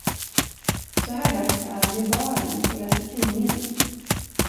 Så här dags är han i baren, och läser tidningen.